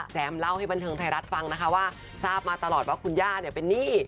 เล่าให้บันเทิงไทยรัฐฟังนะคะว่าทราบมาตลอดว่าคุณย่าเนี่ยเป็นหนี้